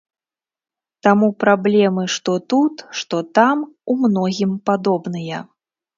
Таму праблемы што тут, што там у многім падобныя.